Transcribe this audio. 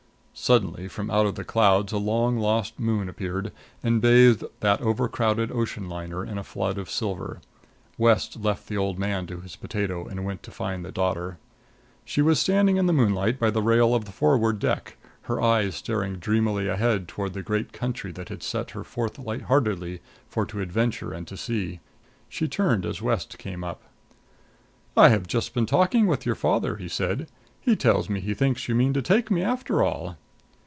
Suddenly from out of the clouds a long lost moon appeared, and bathed that over crowded ocean liner in a flood of silver. West left the old man to his potato and went to find the daughter. She was standing in the moonlight by the rail of the forward deck, her eyes staring dreamily ahead toward the great country that had sent her forth light heartedly for to adventure and to see. She turned as West came up. "I have just been talking with your father," he said. "He tells me he thinks you mean to take me, after all."